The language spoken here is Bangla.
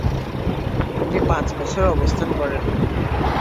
তিনি পাঁচ বছর অবস্থান করেন।